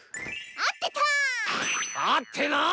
合ってない！